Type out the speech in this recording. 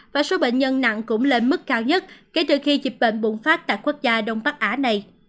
và số bệnh nhân nặng cũng lên mức cao nhất kể từ khi dịch bệnh bùng phát tại quốc gia đông bắc á này